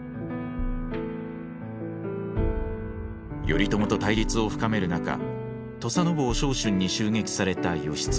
頼朝と対立を深める中土佐坊昌俊に襲撃された義経。